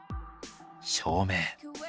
照明。